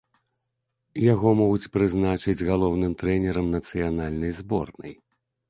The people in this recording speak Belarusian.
Яго могуць прызначыць галоўным трэнерам нацыянальнай зборнай.